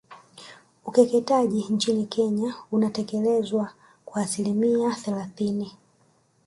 Ukeketaji nchini Kenya unatekelezwa kwa asilimia thelathini